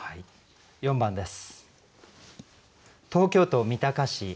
４番です。